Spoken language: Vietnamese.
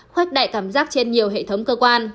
khoách đại cảm giác trên nhiều hệ thống cơ quan